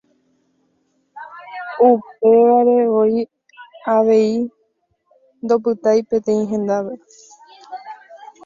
Upevarevoi avei ndopytái peteĩ hendápe.